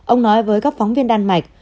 ông nói với các phóng viên đan mạch